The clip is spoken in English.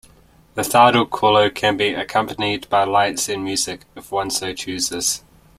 The Thardo Khorlo can be accompanied by lights and music if one so chooses.